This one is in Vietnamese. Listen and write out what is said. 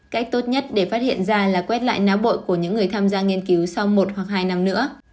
cách tốt nhất để phát hiện ra là quét lại náo bội của những người tham gia nghiên cứu sau một hoặc hai năm nữa